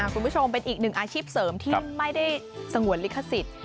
คุณผู้ชมเป็นอีกหนึ่งอาชีพเสริมที่ไม่ได้สงวนลิขสิทธิ์